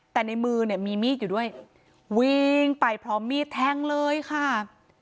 แต่ในมือเนี่ยมีมีดอยู่ด้วยวิ่งไปพร้อมมีดแทงเลยค่ะ